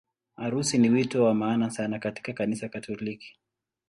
Harusi ni wito wa maana sana katika Kanisa Katoliki.